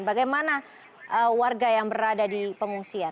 bagaimana warga yang berada di pengungsian